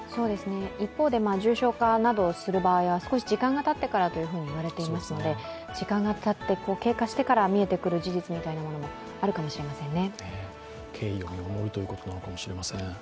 一方で重症化などする場合は、少し時間がたってからといわれてますので時間が経過してから見えてくる事実みたいなものもあるかもしれませんね。